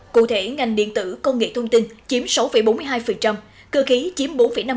cụ thể ngành điện tử công nghệ thông tin chiếm sáu bốn mươi hai cơ khí chiếm bốn năm mươi